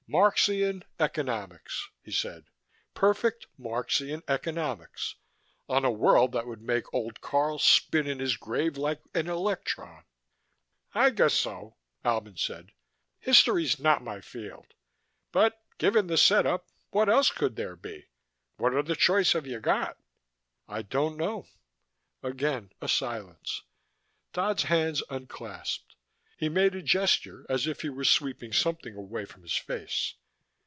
"Marxian economics," he said. "Perfect Marxian economics, on a world that would make old Karl spin in his grave like an electron." "I guess so," Albin said. "History's not my field. But given the setup, what else could there be? What other choice have you got?" "I don't know." Again a silence. Dodd's hands unclasped: he made a gesture as if he were sweeping something away from his face.